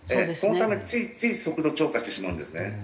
そのためついつい速度超過してしまうんですね。